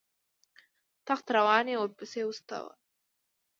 تخت روان یې ورپسې واستاوه.